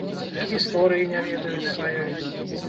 І гісторыі не ведаюць сваёй.